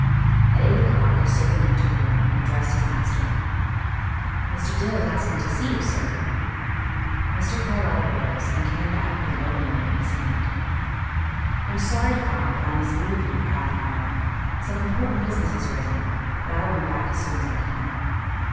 At eight o'clock a servant entered the room and addressed his master. "Mr. Dill is asking to see you, sir." Mr. Carlyle rose, and came back with an open note in his hand. "I am sorry to find that I must leave you for half an hour; some important business has arisen, but I will be back as soon as I can."